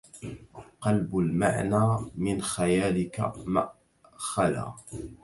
قلب المعنى من خيالك مأ خلا